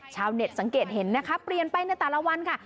ชาวเน็ตสังเกตเห็นนะคะเปลี่ยนไปในแต่ละวันค่ะ